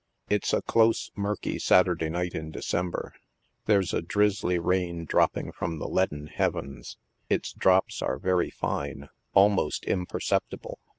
It's a close, murky Saturday night in December. There's a driz zly rain dropping from the leaden heavens. Its drops are very fine — almost imperceptible.